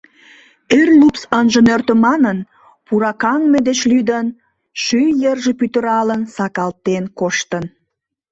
Эр лупс ынже нӧртӧ манын, пуракаҥме деч лӱдын, шӱй йырже пӱтыралын сакалтен коштын.